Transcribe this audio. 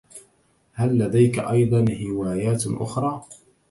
هل لديك أيضاً هواياتٌ أخرى؟